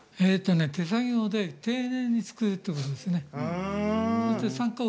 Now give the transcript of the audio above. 手作業で丁寧に作るということですね。